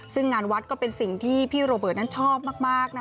ซึ่งงานวัดก็เป็นสิ่งที่พี่โรเบิร์ตนั้นชอบมาก